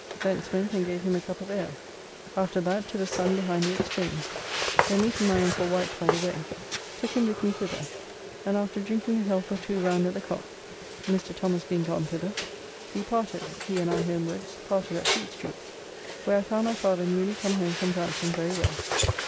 Thence went and gave him a cup of ale. After that to the Sun behind the Exchange, where meeting my uncle Wight by the way, took him with me thither, and after drinking a health or two round at the Cock (Mr. Thomas being gone thither), we parted, he and I homewards, parted at Fleet Street, where I found my father newly come home from Brampton very well.